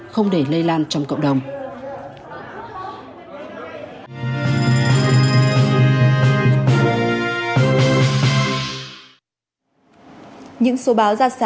không để lây lan trong cộng đồng